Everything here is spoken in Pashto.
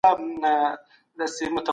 کله چي استاد راغی موږ په کار بوخت وو.